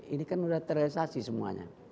ini kan sudah terrealisasi semuanya